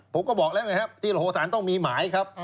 ผมก็บอกแล้วไงครับที่โหสารต้องมีหมายครับ